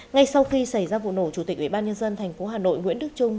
ngay sau khi xảy ra vụ nổ chủ tịch ubnd tp hà nội nguyễn đức trung